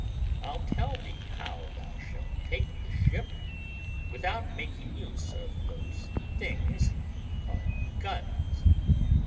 I'll tell thee how thou shalt take this ship, without making use of those things called guns."